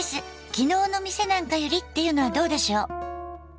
「昨日の店なんかより」っていうのはどうでしょう。